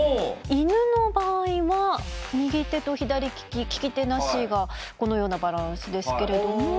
イヌの場合は右手と左利き利き手なしがこのようなバランスですけれども。